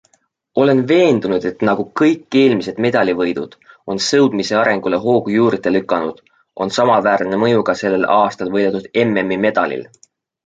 Olen veendunud, et nagu kõik eelmised medalivõidud on sõudmise arengule hoogu juurde lükanud, on samaväärne mõju ka sellel aastal võidetud MM'i medalil.